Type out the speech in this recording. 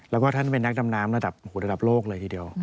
แล้วก็ท่านเป็นนักดำน้ำระดับระดับโลกเลยทีเดียว